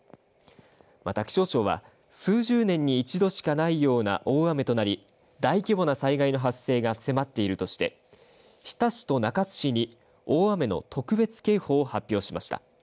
また気象庁は数十年に一度しかないような大雨となり大規模な災害の発生が迫っているとして日田市と中津市に大雨の特別警報を発表しました。